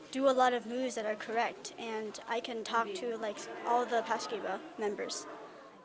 dan saya bisa berbicara dengan semua anggota paski bra